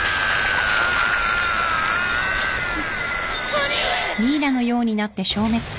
兄上！